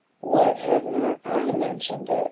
"What, have not I mentioned it?"